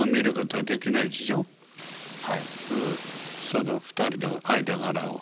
その２人の間柄を。